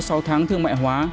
sau sáu tháng thương mại hóa